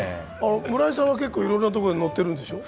村井さんは結構いろいろなところ乗ってるんでしょう。